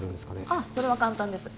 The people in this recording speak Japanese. あっそれは簡単です